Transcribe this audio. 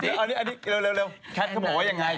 เร็วแคทก็บอกว่าอย่างไร